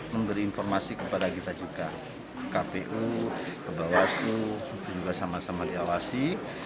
memberi informasi kepada kita juga kpu ke bawaslu juga sama sama diawasi